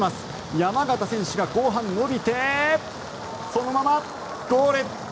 山縣選手が後半伸びてそのままゴール！